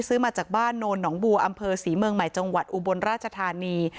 ซื้อมาจากบ้านโนนหนองบัวอำเภอศรีเมืองใหม่จังหวัดอุบลราชธานี